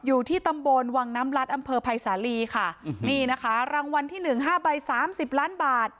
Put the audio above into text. อยู่ที่ตำบลวังน้ำลัดอำเภอภัยสาลีค่ะนี่นะคะรางวัลที่หนึ่งห้าใบสามสิบล้านบาท